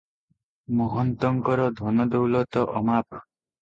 ମହନ୍ତଙ୍କର ଧନ ଦୌଲତ ଅମାପ ।